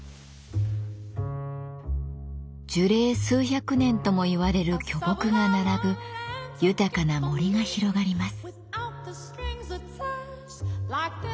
樹齢数百年ともいわれる巨木が並ぶ豊かな森が広がります。